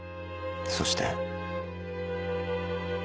そして。